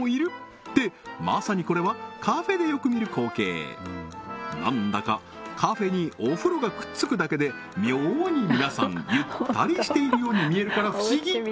ってまさにこれはカフェでよく見る光景なんだかカフェにお風呂がくっつくだけで妙に皆さんゆったりしているように見えるから不思議！